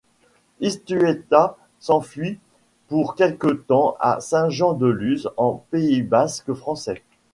Iztueta s'enfuit pour quelque temps à Saint-Jean-de-Luz, en Pays basque français.